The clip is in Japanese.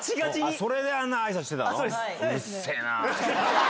それであんなあいさつしてたの？